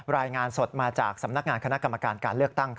รายงานสดมาจากสำนักงานคณะกรรมการการเลือกตั้ง